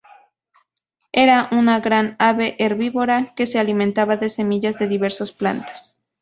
Era un gran ave herbívora, que se alimentaba de semillas de diversas plantas.